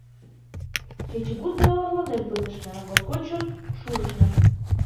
Кечыгут ме орланен пытышна, моткоч чот шужышна.